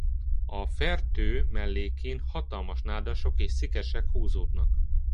A Fertő mellékén hatalmas nádasok és szikesek húzódnak.